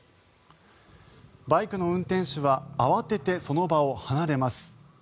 バイクの運転手は慌ててその場を離れます。